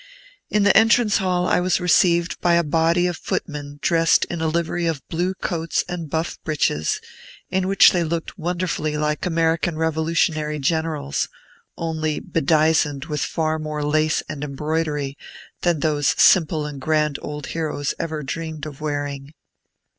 In the entrance hall I was received by a body of footmen dressed in a livery of blue coats and buff breeches, in which they looked wonderfully like American Revolutionary generals, only bedizened with far more lace and embroidery than those simple and grand old heroes ever dreamed of wearing.